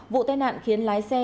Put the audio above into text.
vụ tai nạn khiến lái xe